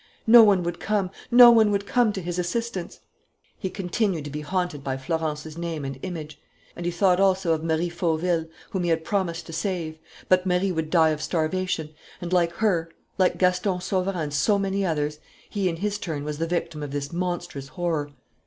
No one would come, no one could come to his assistance. He continued to be haunted by Florence's name and image. And he thought also of Marie Fauville, whom he had promised to save. But Marie would die of starvation. And, like her, like Gaston Sauverand and so many others, he in his turn was the victim of this monstrous horror.